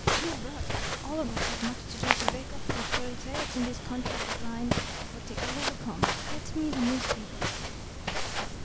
To work! All of us have much to do to wake up the proletariat in this country of the blind. But the hour will come. Get me the newspapers."